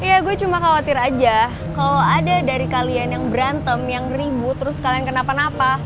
ya gue cuma khawatir aja kalau ada dari kalian yang berantem yang ribut terus kalian kenapa napa